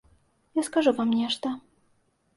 Я скажу вам нешта.